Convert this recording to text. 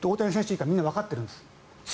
以下みんなわかっているんです。